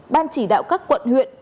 ban chỉ đạo các quận huyện